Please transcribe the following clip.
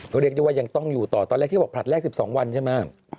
ก็เรียกได้ว่ายังต้องอยู่ต่อตอนแรกที่บอกผลัดแรก๑๒วันใช่ไหม